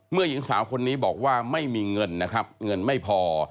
หญิงสาวคนนี้บอกว่าไม่มีเงินนะครับเงินไม่พอ